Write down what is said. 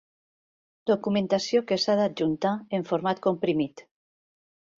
Documentació que s'ha d'adjuntar en format comprimit.